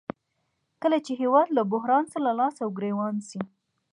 کله چې هېواد له بحران سره لاس او ګریوان شي